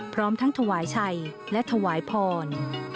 พร้อมทั้งถวายชัยและถวายพร